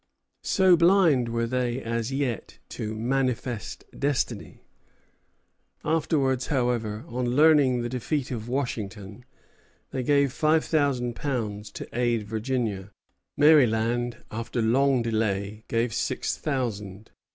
So blind were they as yet to "manifest destiny!" Afterwards, however, on learning the defeat of Washington, they gave five thousand pounds to aid Virginia. Maryland, after long delay, gave six thousand.